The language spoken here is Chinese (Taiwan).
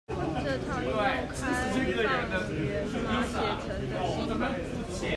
這套運用開放源碼寫成的系統